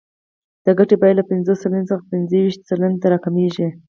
د ګټې بیه له پنځوس سلنې څخه پنځه ویشت سلنې ته راکمېږي